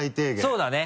そうだね。